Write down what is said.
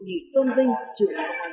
dịch tôn vinh trưởng